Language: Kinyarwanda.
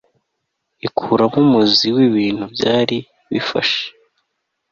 ikuramo umuzi wibintu byari bibafashe